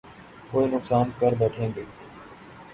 کوئی نقصان کر بیٹھیں گے